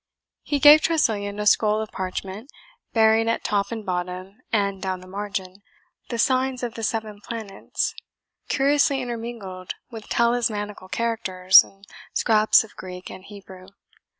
He gave Tressilian a scroll of parchment, bearing at top and bottom, and down the margin, the signs of the seven planets, curiously intermingled with talismanical characters and scraps of Greek and Hebrew.